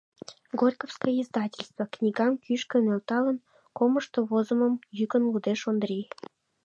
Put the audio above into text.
Горьковское издательство... — книгам кӱшкӧ нӧлталын, комышто возымым йӱкын лудеш Ондрий.